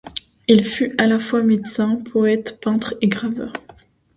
Il fut à la fois médecin, poète, peintre et graveur.